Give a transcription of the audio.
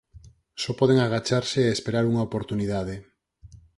Só poden agacharse e esperar unha oportunidade.